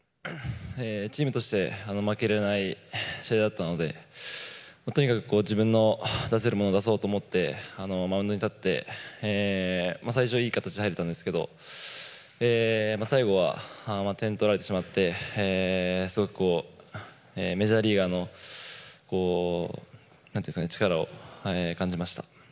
チームとして負けられない試合だったのでとにかく自分の出せるものを出そうと思ってマウンドに立って最初はいい形で入れたんですが最後は点を取られてしまってすごくメジャーリーガーの力を感じました。